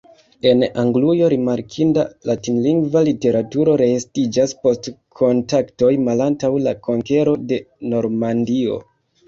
En Anglujo rimarkinda latinlingva literaturo reestiĝas post kontaktoj malantaŭ la konkero de Normandio.